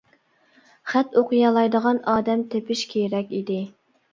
خەت ئوقۇيالايدىغان ئادەم تېپىش كېرەك ئىدى.